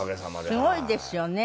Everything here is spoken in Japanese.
すごいですよね。